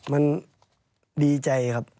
มันดีใจครับ